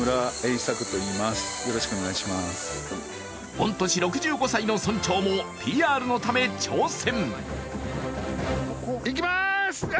御年６５歳の村長もＰＲのため挑戦！